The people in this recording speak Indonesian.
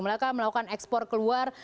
mereka melakukan ekspor keluar